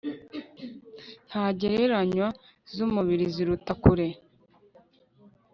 ntagereranywa zumubiri ziruta kure